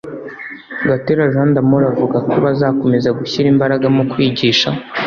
Gatera Jean d’Amour avuga ko bazakomeza gushyira imbaraga mu kwigisha